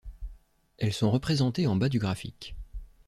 Elles sont représentées en bas du graphique.